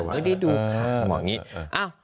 ไม่ได้ดูค่ะ